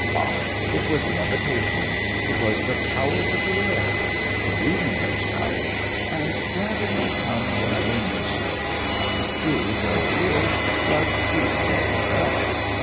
Bah! It was levitation. It was the powers of the air. Believe in those powers, and gravity becomes a mere nursery trick true where it is, but true nowhere else.